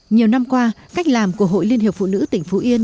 nhiều năm qua cách làm của hội liên hiệp phụ nữ tỉnh phú yên